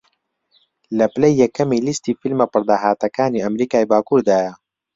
لە پلەی یەکەمی لیستی فیلمە پڕداهاتەکانی ئەمریکای باکووردایە